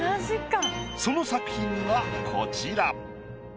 その作品がこちら。